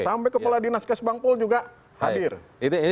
sampai kepala dinas kes bangpol juga hadir